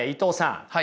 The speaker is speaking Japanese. はい。